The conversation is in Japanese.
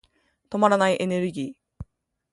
止まらないエネルギー。